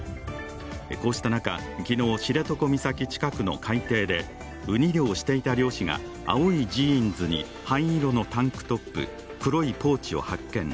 こうした中、昨日、知床岬近くの海底でウニ漁をしていた漁師が青いジーンズに灰色のタンクトップ、黒いポーチを発見。